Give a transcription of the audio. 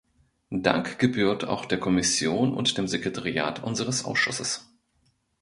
Dank gebührt auch der Kommission und dem Sekretariat unseres Ausschusses.